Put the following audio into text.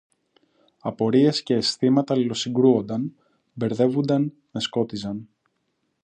Απορίες και αισθήματα αλληλοσυγκρούουνταν, μπερδεύουνταν, με σκότιζαν